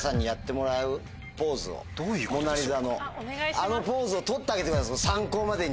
あのポーズを取ってあげてください参考までに。